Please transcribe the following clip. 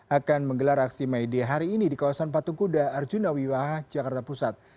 akan menggelar aksi may day hari ini di kawasan patung kuda arjuna wiwaha jakarta pusat